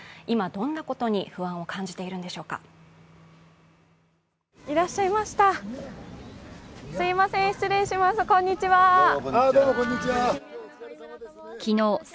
今、どんなことに不安を感じているんでしょうか。